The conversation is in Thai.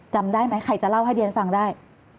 จำได้ไหมใครจะเล่าให้เรียนฟังได้